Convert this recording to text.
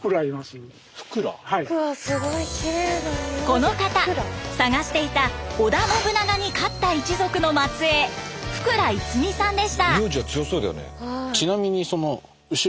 この方捜していた織田信長に勝った一族の末えい福羅逸己さんでした。